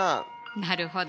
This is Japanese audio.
なるほど。